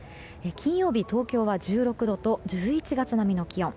金曜日、東京は１６度と１１月並みの気温。